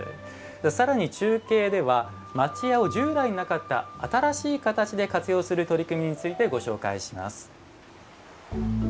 さらに中継では町家を従来なかった新しい形で活用する取り組みについてご紹介します。